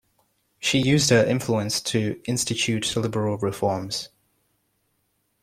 She used her influence to institute liberal reforms.